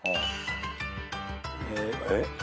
えっ？